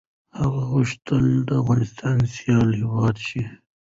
هغه غوښتل افغانستان سيال هېواد شي.